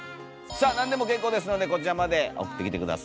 さあ何でも結構ですのでこちらまで送ってきて下さい。